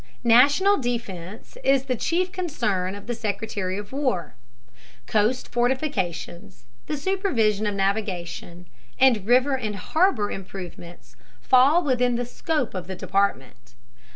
National defense is the chief concern of the Secretary of War. Coast fortifications, the supervision of navigation, and river and harbor improvements fall within the scope of the department.